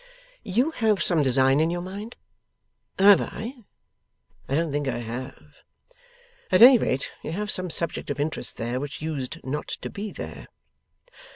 'You have some design in your mind?' 'Have I? I don't think I have.' 'At any rate, you have some subject of interest there which used not to be there?